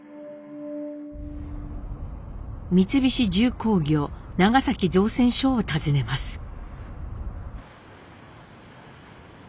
三菱重工業長崎造船所を訪ねます。